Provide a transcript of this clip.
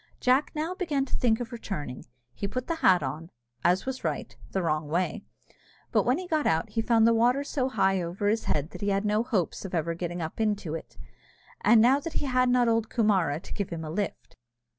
Jack now began to think of returning; he put the hat on, as was right, the wrong way; but when he got out he found the water so high over his head that he had no hopes of ever getting up into it, now that he had not old Coomara to give him a lift.